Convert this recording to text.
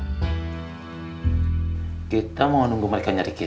kita mau menunggu mereka nyari kita atau gimana kita aja yang cari mereka gimana caranya kita